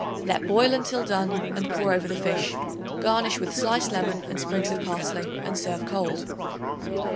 Let boil until done and pour over the fish. Garnish with sliced lemon and sprigs of parsley and serve cold.